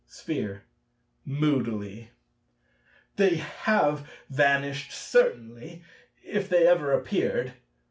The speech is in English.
Sphere (moodily). They have vanished, certainly—if they ever appeared.